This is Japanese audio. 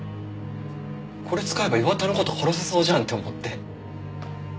これ使えば磐田の事殺せそうじゃんって思って。